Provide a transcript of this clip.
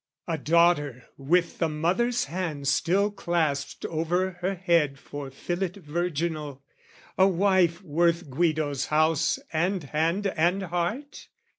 A daughter with the mother's hands still clasped Over her head for fillet virginal, A wife worth Guido's house and hand and heart?